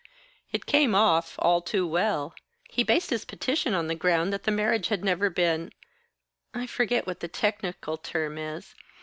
"It came off, all too well. He based his petition on the ground that the marriage had never been I forget what the technical term is.